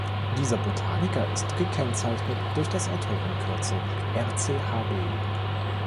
Dieser Botaniker ist gekennzeichnet durch das Autorenkürzel Rchb.